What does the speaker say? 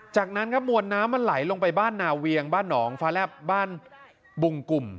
จากนั้นครับมวลน้ำมันไหลลงไปบ้านนาเวียงบ้านหนองฟ้าแลบบ้านบุงกลุ่ม